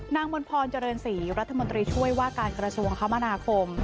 มนพรเจริญศรีรัฐมนตรีช่วยว่าการกระทรวงคมนาคม